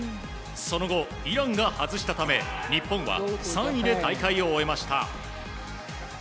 その後、イランが外したため日本は３位で大会を終えました。